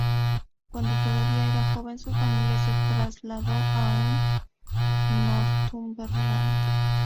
Cuando todavía era joven, su familia se trasladó a en Northumberland.